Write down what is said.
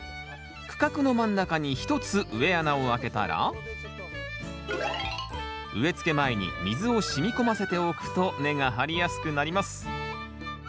区画の真ん中に１つ植え穴を開けたら植え付け前に水をしみ込ませておくと根が張りやすくなります。